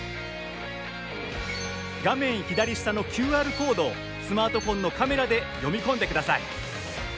画面左下のＱＲコードをスマートフォンのカメラで読み込んでください。